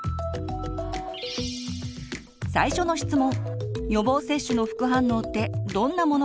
最初の質問！